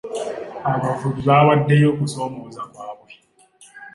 Abavubi baawaddeyo okusoomooza kwabwe.